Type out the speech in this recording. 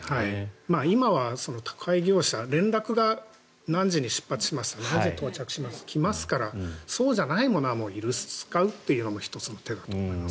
今は宅配業者連絡が何時に出発しますとか何時に到着しますって来ますからそうじゃないものは居留守を使うというのも１つの手だと思います。